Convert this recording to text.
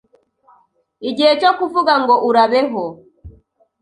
igihe cyo kuvuga ngo urabeho